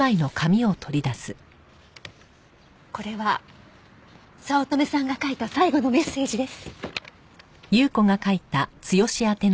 これは早乙女さんが書いた最後のメッセージです。